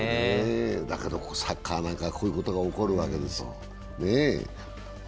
だけどサッカーなんかはこういうことが起こるわけですよ。